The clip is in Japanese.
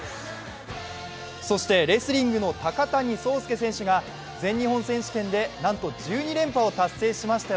そしてレスリングの高谷惣亮選手が全日本選手権でなんと１２連覇を達成しました。